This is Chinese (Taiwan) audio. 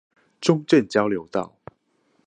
中正交流道